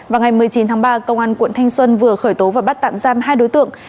vào ngày một mươi chín tháng ba công an quận thanh xuân vừa khởi tố và bắt tạm giam hai đối tượng